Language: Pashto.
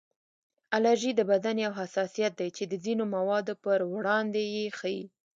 الرژي د بدن یو حساسیت دی چې د ځینو موادو پر وړاندې یې ښیي